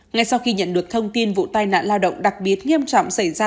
ngay sau khi nhận được thông tin vụ tai nạn lao động đặc biệt nghiêm trọng xảy ra